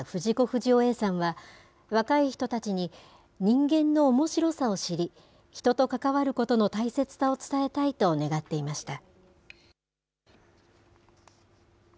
不二雄Ａさんは、若い人たちに、人間のおもしろさを知り、人と関わることの大切さを伝えたいと願っていました。